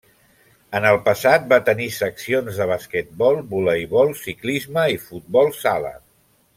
En el passat va tenir seccions de basquetbol, voleibol, ciclisme i futbol sala.